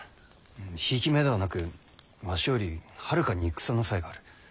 ひいき目ではなくわしよりはるかに戦の才がある。